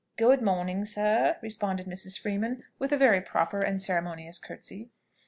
"Good morning, sir," responded Mrs. Freeman with a very proper and ceremonious curtsy.